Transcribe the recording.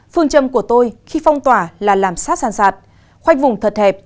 phương châm của tôi khi phong tỏa là làm sát sàn khoanh vùng thật hẹp